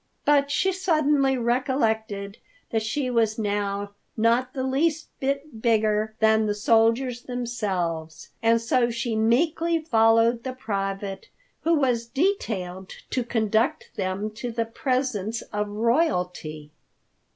But she suddenly recollected that she was now not the least bit bigger than the soldiers themselves. And so she meekly followed the private who was detailed to conduct them to the presence of Royalty.